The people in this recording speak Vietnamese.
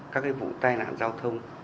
các vụ tai nạn giao thông